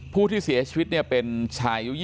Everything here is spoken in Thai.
ผู้ที่เสียชีวิตเป็นชายอายุ๒๐